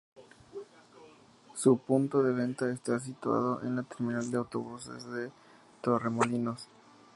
Su punto de venta está situado en la Terminal de Autobuses de Torremolinos.